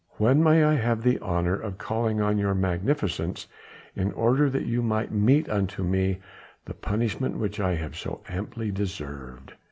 When may I have the honour of calling on your Magnificence in order that you might mete unto me the punishment which I have so amply deserved?"